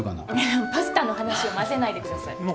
いやパスタの話を混ぜないでください。